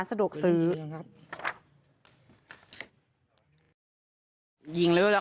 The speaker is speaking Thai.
กับคุณเนติชา